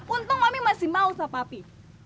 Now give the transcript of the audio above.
untung mami masih mau sah papi